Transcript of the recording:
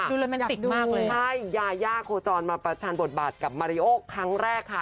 ดูเป็นมากเลยใช่ยายาโคจรมาประชานบทบาทกับมริโอร์ครั้งแรกค่ะ